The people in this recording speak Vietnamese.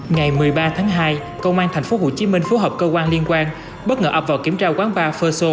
ngày một mươi ba tháng hai công an tp hcm phối hợp cơ quan liên quan bất ngờ ập vào kiểm tra quán ba ferso